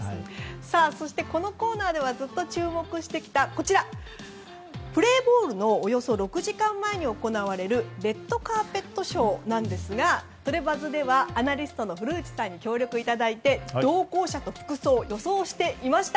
そして、このコーナーではずっと注目してきたプレーボールのおよそ６時間前に行われるレッドカーペットショーですがトレバズではアナリストの古内さんに協力いただいて同行者と服装を予想していました。